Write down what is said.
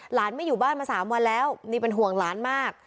หลานไม่อยู่บ้านมา๓วันแล้วนี่เป็นห่วงหลานมาก